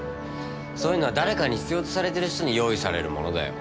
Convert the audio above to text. そういうのは誰かに必要とされている人に用意されるものだよ。